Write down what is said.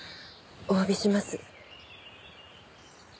おわびします。